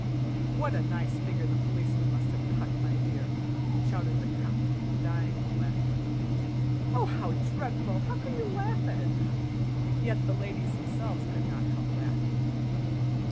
"What a nice figure the policeman must have cut, my dear!" shouted the count, dying with laughter. "Oh, how dreadful! How can you laugh at it, Count?" Yet the ladies themselves could not help laughing.